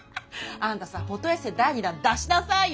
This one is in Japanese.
あんたさフォトエッセー第２弾出しなさいよ。